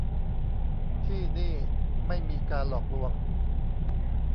ที่นี่ไม่มีการหลอกลวง